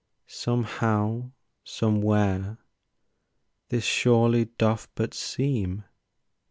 Somehow, somewhere this surely doth but seem!